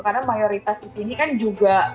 karena mayoritas di sini kan juga